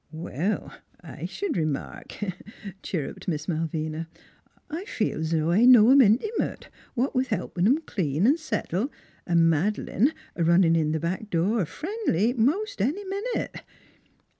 "Well, I sh'd remark! " chirruped Miss Mal vina. " I feel 's o' I know 'em intimate what with helpin' 'em clean an' settle, an' Mad'lane runnin' in th' back door, friendly, most any min ute.